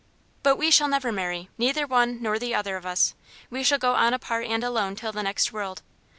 "But we shall never marry, neither one nor the other of us; we shall go on apart and alone till the next world.